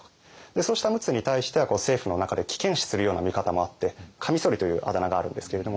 そうした陸奥に対しては政府の中で危険視するような見方もあってカミソリというあだ名があるんですけれども。